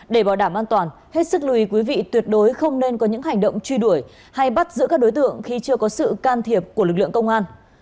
để bảo đảm an toàn hết sức lùi quý vị tuyệt đối không nên có những hành động truy đuổi hay bắt giữ các đối tượng khi chưa có sự can thiệp của lực lượng công an